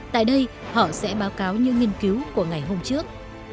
tại đây họ sẽ báo cáo những nghiên cứu của ngày hôm trước